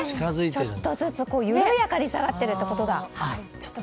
ちょっとずつ緩やかに下がってるってことだ。